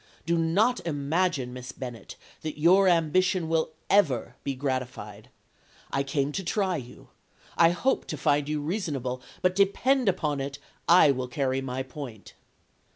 Do not imagine, Miss Bennet, that your ambition will ever be gratified. I came to try you. I hoped to find you reasonable; but, depend upon it, I will carry my point.'